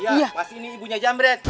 iya pas ini ibunya jamret